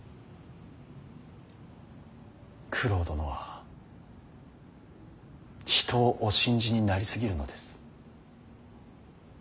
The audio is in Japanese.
九郎殿は人をお信じになり過ぎるのです。